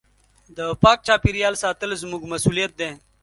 د پاک چاپېریال ساتل زموږ مسؤلیت دی.